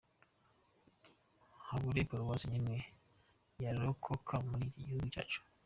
Habure Paruwasi n’imwe yarokoka muri iki gihugu cyacu ?